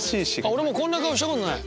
俺こんな顔したことない。